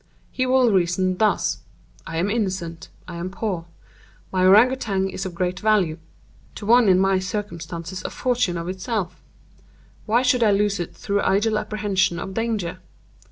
He will reason thus:—'I am innocent; I am poor; my Ourang Outang is of great value—to one in my circumstances a fortune of itself—why should I lose it through idle apprehensions of danger?